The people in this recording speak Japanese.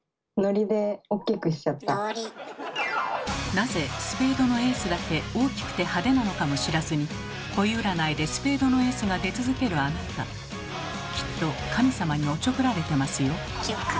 なぜスペードのエースだけ大きくて派手なのかも知らずに恋占いでスペードのエースが出続けるあなたきっと神様におちょくられてますよ。